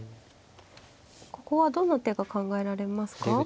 ここはどんな手が考えられますか。